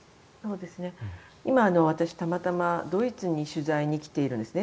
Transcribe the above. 今、私、たまたまドイツに取材に来ているんですね。